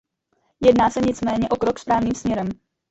Jedná se nicméně o krok správným směrem.